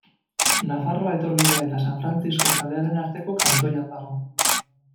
Nafarroa etorbidea eta San Frantzisko kalearen arteko kantoian dago.